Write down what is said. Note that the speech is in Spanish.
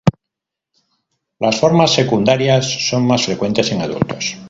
Las formas secundarias son más frecuentes en adultos.